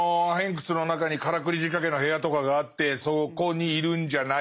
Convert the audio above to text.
窟の中にからくり仕掛けの部屋とかがあってそこにいるんじゃないかとか。